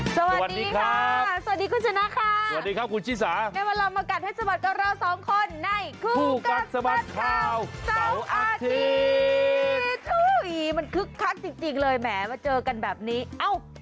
สวัสดีค่ะสวัสดีคุณชนะค่ะสวัสดีครับคุณชิสาในเวลามากัดให้สะบัดกับเราสองคนในคู่กัดสะบัดข่าวเสาร์อาทิตย์มันคึกคักจริงเลยแหมมาเจอกันแบบนี้เอ้า